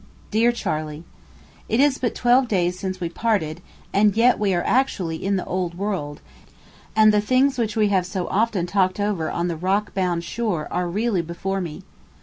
DEAR CHARLEY: It is but twelve days since we parted, and yet we are actually in the old world, and the things which we have so often talked over on the rock bound shore are really before me.